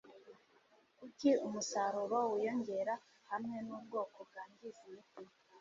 Kuki umusaruro wiyongera hamwe nubwoko bwangiza imiti?